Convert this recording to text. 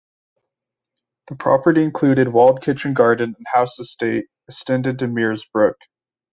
The property included walled kitchen garden and house's estate extended to Meers Brook.